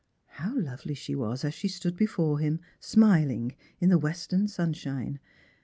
How lovely she was as she stood before him, smiling, in the western sunshine